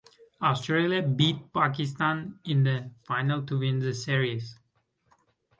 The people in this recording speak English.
Australia beat Pakistan in the Final to win the series.